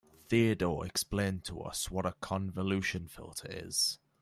Theodore explained to us what a convolution filter is.